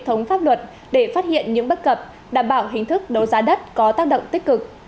hệ thống pháp luật để phát hiện những bất cập đảm bảo hình thức đấu giá đất có tác động tích cực